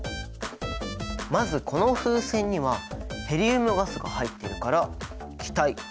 まずこの風船にはヘリウムガスが入っているから気体。